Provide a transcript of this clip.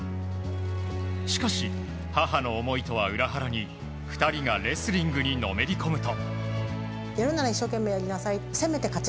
しかし、母の思いとは裏腹に２人がレスリングにのめり込むと。